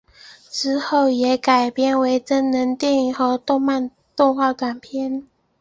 之后也改编为真人电影和动画短片。